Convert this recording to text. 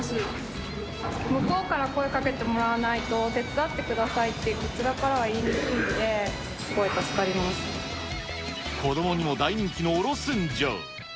いつも困ってたので、本当に向こうから声かけてもらえないと、手伝ってくださいってこちらからは言いにくいので、すごい助かり子どもにも大人気のおろすんジャー。